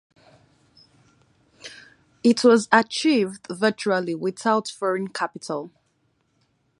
It was achieved virtually without foreign capital.